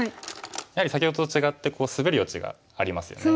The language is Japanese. やはり先ほどと違ってここスベる余地がありますよね。